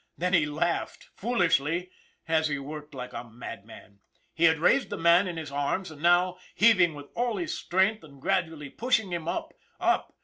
Then he laughed foolishly as he worked like a madman ! He had raised the man in his arms and now, heaving with all his strength, was gradually pushing him up, up.